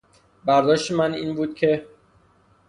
برداشت من این بود که...